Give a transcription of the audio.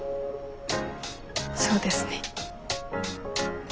そうですね。